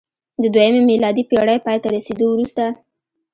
د دویمې میلادي پېړۍ پای ته رسېدو وروسته